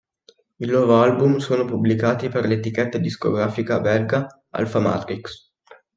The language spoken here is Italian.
I loro album sono pubblicati per l'etichetta discografica belga Alfa Matrix.